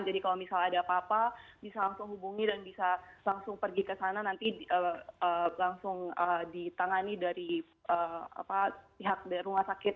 jadi kalau misalnya ada apa apa bisa langsung hubungi dan bisa langsung pergi ke sana nanti langsung ditangani dari pihak rumah sakit